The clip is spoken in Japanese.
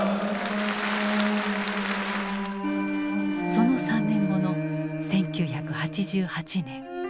その３年後の１９８８年。